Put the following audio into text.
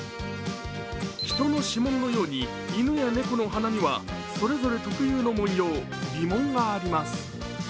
人の指紋のように犬や猫の鼻にはそれぞれ特有の紋様鼻紋があります。